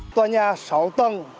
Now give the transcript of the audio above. tòa nhà sáu tầng